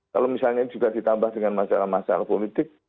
kalau misalnya ini juga ditambah dengan masalah masalah politik